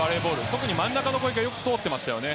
特に真ん中の攻撃がよく通っていましたね。